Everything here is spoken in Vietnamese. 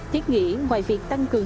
thiết nghĩ ngoài việc tăng cường